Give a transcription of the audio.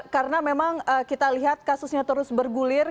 karena memang kita lihat kasusnya terus bergulir